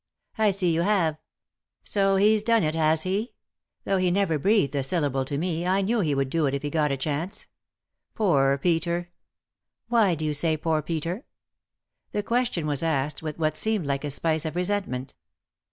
" I see you have. So he's done it, has he ? Though he never breathed a syllable to me, I knew he would do it if he got a chance. Poor Peter I " "Why do you say 'Poor Peter' ?" The question was asked with what seemed like a spice of resentment.